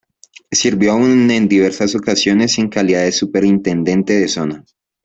Sirvió aún en diversas ocasiones en calidad de superintendente de zona.